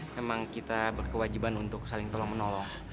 memang kita berkewajiban untuk saling tolong menolong